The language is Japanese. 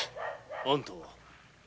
あんたは？